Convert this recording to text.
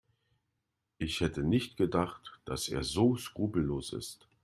Ich hätte nicht gedacht, dass er so skrupellos ist.